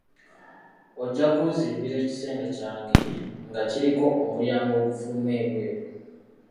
Ojja kunzimbira ekisenge ekyange nga kiriko omulyango ogufuluma ebweru.